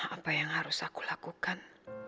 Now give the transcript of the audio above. apa yang harus aku lakukan